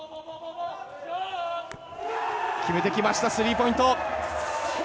決めてきましたスリーポイント！